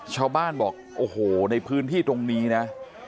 ชาวบ้านบอกโอ้โหในพื้นที่ตรงนี้นะ